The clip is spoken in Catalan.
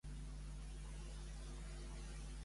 El Quimet fa l'eucaristia?